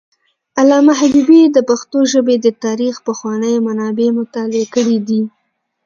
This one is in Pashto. علامه حبیبي د پښتو ژبې د تاریخ پخواني منابع مطالعه کړي دي.